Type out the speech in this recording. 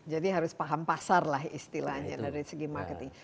jadi harus paham pasar lah istilahnya dari segi marketing